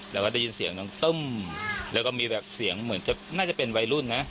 แล้วก็ได้ยินเสียงน้องตึ้มแล้วก็มีแบบเสียงเหมือนจะน่าจะเป็นวัยรุ่นนะ